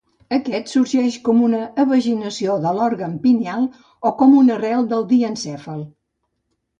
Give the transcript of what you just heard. Aquest sorgeix com una evaginació de l'òrgan pineal o com una arrel del diencèfal.